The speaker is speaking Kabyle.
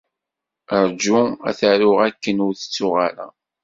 Rju ad t-aruɣ akken ur tettuɣ ara.